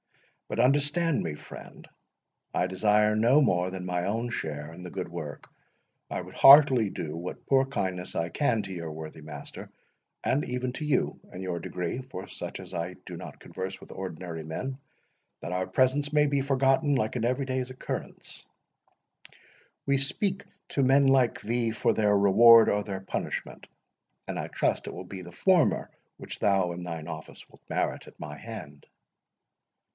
But understand me, friend—I desire no more than my own share in the good work. I would heartily do what poor kindness I can to your worthy master, and even to you in your degree—for such as I do not converse with ordinary men, that our presence may be forgotten like an every day's occurrence. We speak to men like thee for their reward or their punishment; and I trust it will be the former which thou in thine office wilt merit at my hand."